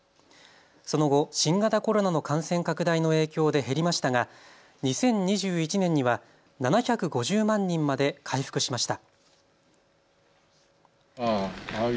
その後、新型コロナの感染拡大の影響で減りましたが２０２１年には７５０万人まで回復しました。